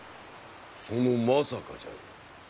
そのまさかじゃよ。